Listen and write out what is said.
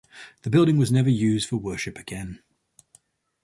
The building was never used for worship again.